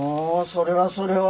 それはそれは。